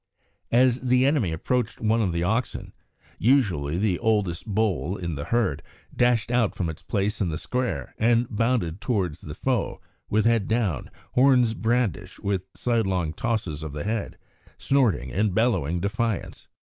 As the enemy approached one of the oxen, usually the oldest bull in the herd, dashed out from his place in the square and bounded towards the foe, with head down, horns brandished with sidelong tosses of the head, snorting and bellowing defiance.